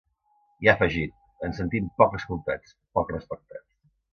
I ha afegit: Ens sentim poc escoltats, poc respectats.